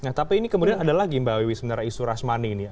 nah tapi ini kemudian ada lagi mbak wiwi sebenarnya isu rashmani ini